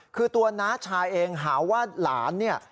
คือตัวน้าชายเองหาว่าหลานเนี่ย